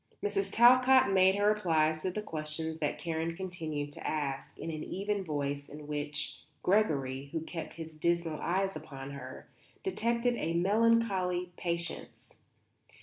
Mrs. Talcott made her replies to the questions that Karen continued to ask, in an even voice in which Gregory, who kept his dismal eyes upon her, detected a melancholy patience.